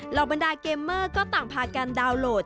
บรรดาเกมเมอร์ก็ต่างพากันดาวน์โหลด